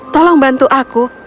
tolong bantu aku